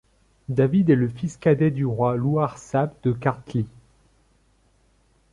David est le fils cadet du roi Louarsab de Karthli.